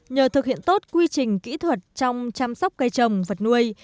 nhờ thực hiện tốt quy trình kỹ thuật trong chăm sóc cây trồng vật nuôi